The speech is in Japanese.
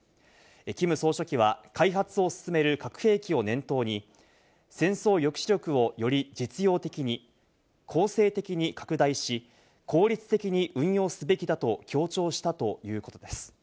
キム総書記は開発を進める核兵器を念頭に、戦争抑止力をより実用的に攻勢的に拡大し、効率的に運用すべきだと強調したということです。